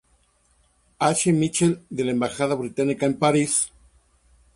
H. Mitchell, de la embajada británica en París.